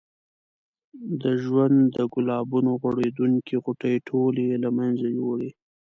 د ژوند د ګلابونو غوړېدونکې غوټۍ ټولې یې له منځه یوړې.